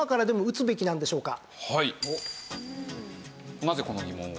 なぜこの疑問を？